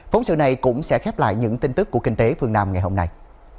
phóng sự này cũng sẽ khép lại những tin tức của kinh tế phương nam ngày hôm nay